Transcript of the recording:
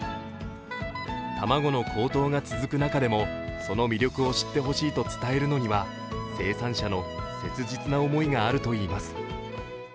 卵の高騰が続く中でもその魅力を知ってほしいと伝えるのには生産者の切実な思いがあるといいます。